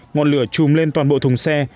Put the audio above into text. ngọn lửa chùm lên toàn bộ thùng xe